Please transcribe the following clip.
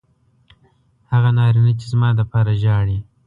هغه نارینه چې زما دپاره ژاړي